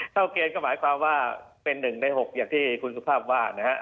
เกณฑ์ก็หมายความว่าเป็น๑ใน๖อย่างที่คุณสุภาพว่านะฮะ